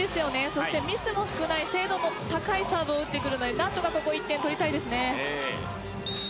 そしてミスも少ない精度の高いサーブを打ってくるので何とかここは１点取りたいですね。